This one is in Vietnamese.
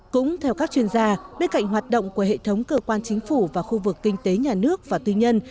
cũng theo các chuyên gia bên cạnh hoạt động của hệ thống cơ quan chính phủ và khu vực kinh tế nhà nước và tư nhân